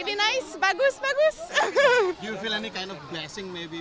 anda merasa seperti berguling guling